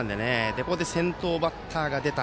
ここで先頭バッターが出た。